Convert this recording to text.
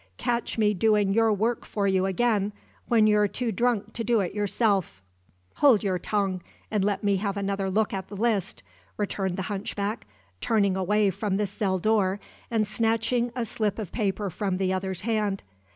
Catch me doing your work for you again, when you're too drunk to do it yourself!" "Hold your tongue, and let me have another look at the list!" returned the hunchback, turning away from the cell door, and snatching a slip of paper from the other's hand.